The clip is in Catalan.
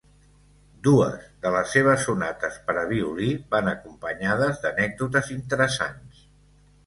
Dues de les seves sonates per a violí van acompanyades d'anècdotes interessants.